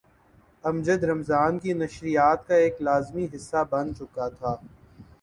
امجد رمضان کی نشریات کا ایک لازمی حصہ بن چکا تھا۔